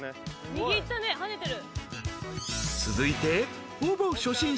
右いったね跳ねてる。